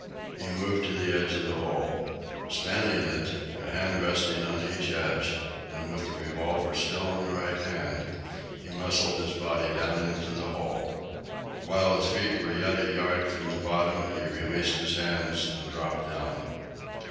He moved to the edge of the hole. Spanning it, a hand resting on each edge, and with the revolver still in the right hand, he muscled his body down into the hole. While his feet were yet a yard from the bottom he released his hands and dropped down.